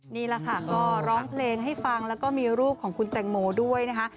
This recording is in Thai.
นี่แหละค่ะก็ร้องเพลงให้ฟังแล้วก็มีรูปของคุณแตงโมด้วยนะคะ